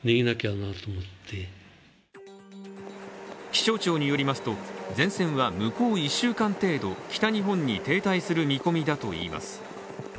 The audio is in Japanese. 気象庁によりますと、前線は向こう１週間程度、北日本に停滞する見込みだといいます。